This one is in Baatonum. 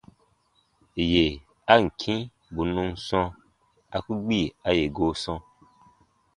Yè a ǹ kĩ bù nun sɔ̃, a ku gbi a yè goo sɔ̃.